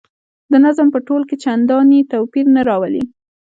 د نظم په تول کې چنداني توپیر نه راولي.